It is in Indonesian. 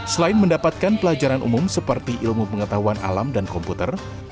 selain mendapatkan pelajaran umum seperti ilmu pengetahuan alam dan komputer